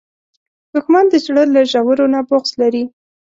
دښمن د زړه له ژورو نه بغض لري